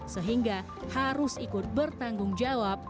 sehingga harus ikut bertanggung jawab